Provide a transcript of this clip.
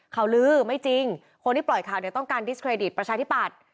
ข่าวลือไม่จริงคนที่ปล่อยข่าวเนี่ยต้องการดิสเครดิตประชาธิปัตย์